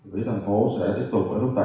vị thành phố sẽ tiếp tục rút tẩy như thế này